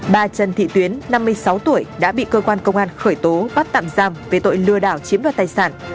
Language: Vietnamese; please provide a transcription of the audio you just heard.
bà trần thị tuyến năm mươi sáu tuổi đã bị cơ quan công an khởi tố bắt tạm giam về tội lừa đảo chiếm đoạt tài sản